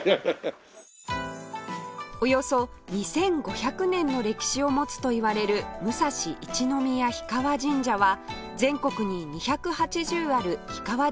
およそ２５００年の歴史を持つといわれる武蔵一宮氷川神社は全国に２８０ある氷川